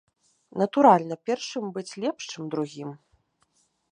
Натуральна, першым быць лепш, чым другім.